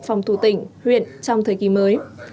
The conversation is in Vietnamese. phòng thủ tỉnh huyện trong thời kỳ mới